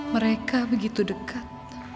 mereka begitu dekat